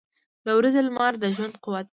• د ورځې لمر د ژوند قوت دی.